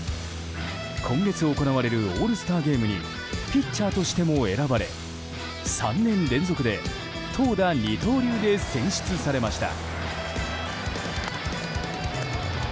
今月行われるオールスターゲームにピッチャーとしても選ばれ３年連続で投打二刀流で選出されました。